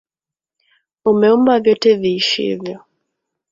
Umeumba vyote viishivyo.